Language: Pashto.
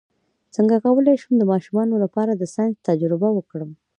څنګه کولی شم د ماشومانو لپاره د ساینس تجربې وکړم